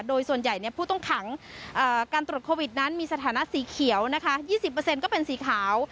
โดยส่วนใหญ่ผู้ต้องขังการตรวจโควิดนั้นมีสถานะสีเขียวนะคะยี่สิบเปอร์เซ็นต์ก็เป็นสีขาว